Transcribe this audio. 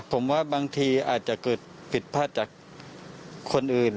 ผมว่าบางทีอาจจะเกิดผิดพลาดจากคนอื่น